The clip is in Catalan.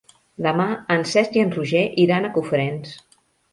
Demà en Cesc i en Roger iran a Cofrents.